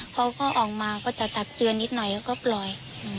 เขาก็ออกมาก็จะตักเตือนนิดหน่อยเขาก็ปล่อย